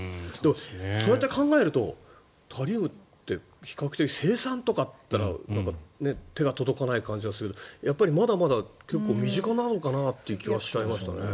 そうやって考えるとタリウムって比較的青酸とかだったら手が届かない感じがするけどやっぱり、まだまだ身近なのかなって気がしちゃいましたね。